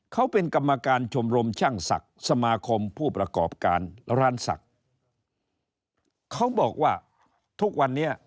เขาเป็นกรรมการชมรมชั่งสักสมาคมผู้ประกอบการอรานสักเขาบอกว่าทุกวันเนี่ยเขายั้ม